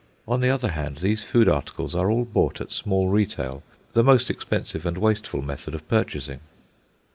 On the other hand, these food articles are all bought at small retail, the most expensive and wasteful method of purchasing.